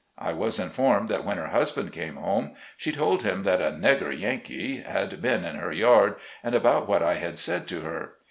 I was informed that when her husband came home, she told him that a "negger Yankee" had been in her yard, and about what I had said to her.